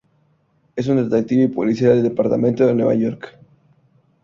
Es un detective y policía del departamento de Nueva York.